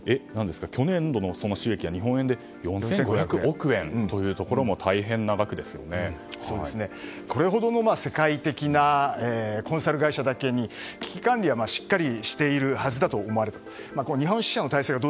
去年度の収益は日本円で４５００億円というのもこれほどの世界的なコンサル会社だけに危機管理はしっかりしているはずだと思われます。